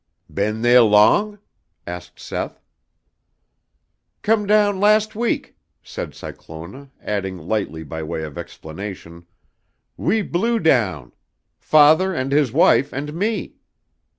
"Been theah long?" asked Seth. "Come down last week," said Cyclona, adding lightly by way of explanation, "we blew down. Father and his wife and me.